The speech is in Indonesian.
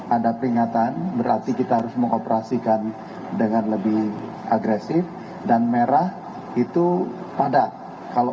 ada peringatan berarti kita harus mengoperasikan dengan lebih agresif dan merah itu padat kalau